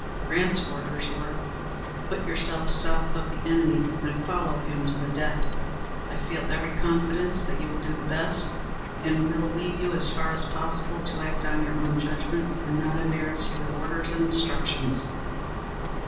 Grant's orders were, "Put yourself south of the enemy and follow him to the death. I feel every confidence that you will do the best, and will leave you as far as possible to act on your own judgment, and not embarrass you with orders and instructions."